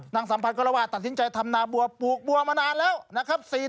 สัมพันธ์ก็เล่าว่าตัดสินใจทำนาบัวปลูกบัวมานานแล้วนะครับ